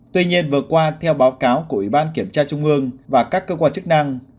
tuy nhiên vừa qua theo báo cáo của ủy ban kiểm tra trung ương và các cơ quan chức năng